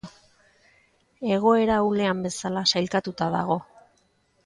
Egoera ahulean bezala sailkatuta dago.